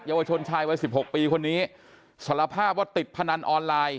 ยาวชนชายวัยสิบหกปีคนนี้สารภาพว่าติดพนันออนไลน์